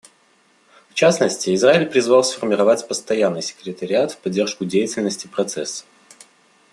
В частности, Израиль призвал сформировать постоянный секретариат в поддержку деятельности Процесса.